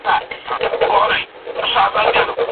خپل ژوند ته ارزښت ورکړئ.